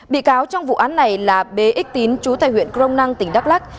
bị cáo trong vụ án này là bx tín chú thầy huyện crong năng tỉnh đắk lắc